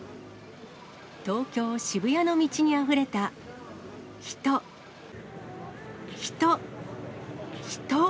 東京・渋谷の道にあふれた、人、人、人。